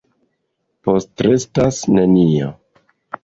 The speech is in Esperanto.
Postrestas nenio.